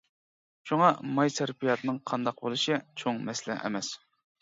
شۇڭا ماي سەرپىياتىنىڭ قانداق بولۇشى چوڭ مەسىلە ئەمەس.